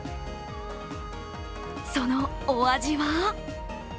そのお味は？